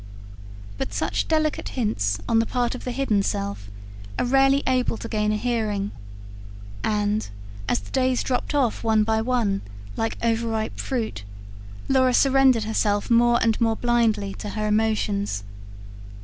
But such delicate hints on the part of the hidden self are rarely able to gain a hearing; and, as the days dropped off one by one, like over ripe fruit, Laura surrendered herself more and more blindly to her emotions.